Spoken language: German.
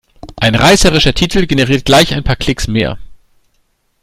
Ein reißerischer Titel generiert gleich ein paar Klicks mehr.